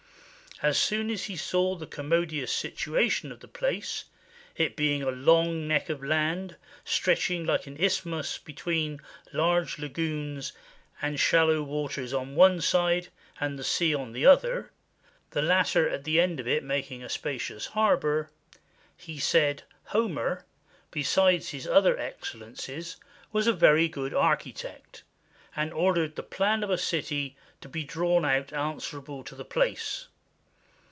As soon as he saw the commodious situation of the place, it being a long neck of land, stretching like an isthmus between large lagoons and shallow waters on one side, and the sea on the other, the latter at the end of it making a spacious harbor, he said Homer, besides his other excellences, was a very good architect, and ordered the plan of a city to be drawn out answerable to the place.